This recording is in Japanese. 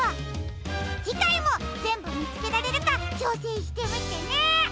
じかいもぜんぶみつけられるかちょうせんしてみてね！